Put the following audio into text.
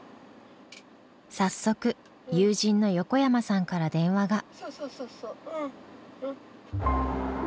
早速友人の横山さんから電話が。